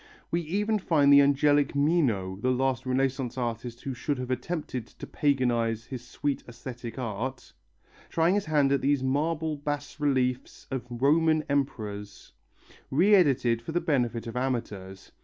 We even find the angelic Mino, the last Renaissance artist who should have attempted to paganize his sweetly ascetic art, trying his hand at these marble bas reliefs of Roman emperors, re edited for the benefit of amateurs.